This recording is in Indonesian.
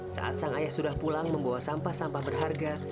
saat sang ayah sudah pulang membawa sampah sampah berharga